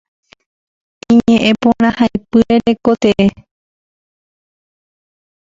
Iñe'ẽporãhaipyre rekotee.